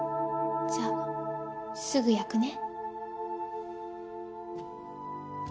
じゃあすぐ焼くね。